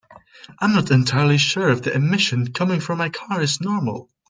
I'm not entirely sure if the emission coming from my car is normal.